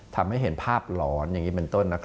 ทำให้เห็นภาพหลอนอย่างนี้เป็นต้น